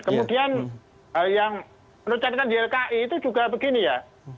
kemudian yang menurut saya kan ilki itu juga begini ya